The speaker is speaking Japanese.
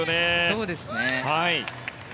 そうですね。